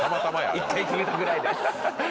１回決めたぐらいで。